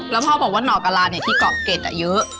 แล้วพ่อบอกว่าหนอกราเนี่ยที่เกาะเกร็ดอะเยอะ